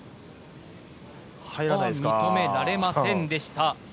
認められませんでした。